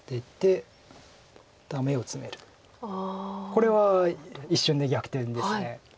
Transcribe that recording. これは一瞬で逆転です。